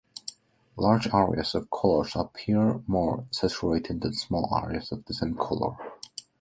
Large areas of color appear more saturated than small areas of the same color.